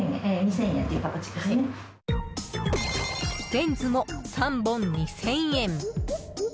レンズも３本２０００円。